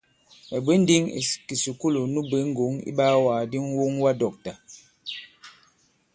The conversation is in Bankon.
Mɛ̀ bwě ǹndǐŋ ì kìsùkulù nu bwě ŋgɔ̂ŋ iɓaawàgàdi ŋ̀woŋwadɔ̂ktà.